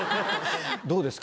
どうですか？